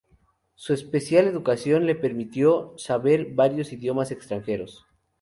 Su especial educación le permitió saber varios idiomas extranjeros.